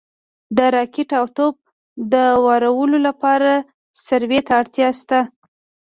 د راکټ او توپ د وارولو لپاره سروې ته اړتیا شته